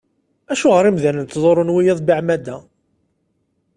Acuɣer imdanen ttḍurrun wiyaḍ beεmada?